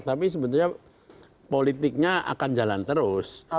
tapi sebetulnya politiknya akan jalan terus